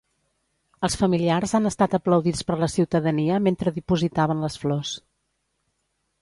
Els familiars han estat aplaudits per la ciutadania mentre dipositaven les flors.